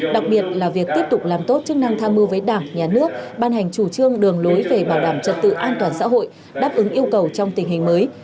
đặc biệt là việc tiếp tục làm tốt chức năng tham mưu với đảng nhà nước ban hành chủ trương đường lối về bảo đảm trật tự an toàn xã hội đáp ứng yêu cầu trong tình hình mới